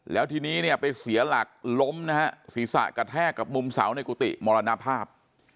แล้วทีนี้เนี่ยไปเสียหลักล้มนะฮะศีรษะกระแทกกับมุมเสาในกุฏิมรณภาพ